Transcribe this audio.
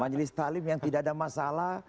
majelis ta'lim yang tidak ada masalah